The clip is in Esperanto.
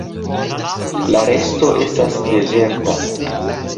La resto estas dezerta.